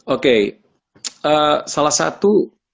oke salah satu